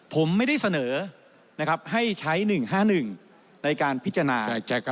ผมไม่ได้เสนอให้ใช้๑๕๑ในการพิจารณา